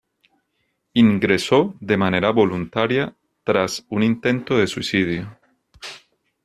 Ingresó de manera voluntaria tras un intento de suicidio.